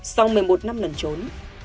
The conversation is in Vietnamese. sau một mươi một năm lần trốn